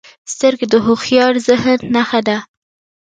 سترګې د هوښیار ذهن نښه ده